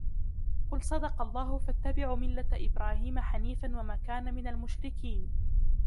قُلْ صَدَقَ اللَّهُ فَاتَّبِعُوا مِلَّةَ إِبْرَاهِيمَ حَنِيفًا وَمَا كَانَ مِنَ الْمُشْرِكِينَ